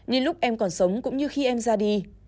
nên lúc em còn sống cũng như khi em ra đi